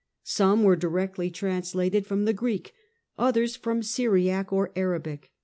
Some were directly translated from the Greek, others from Syriac or Arabic.